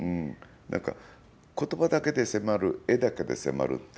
言葉だけで迫る絵だけで迫るって